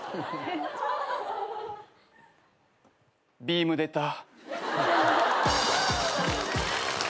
ビーム出た。